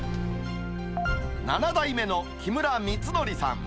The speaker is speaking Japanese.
７代目の木村光伯さん。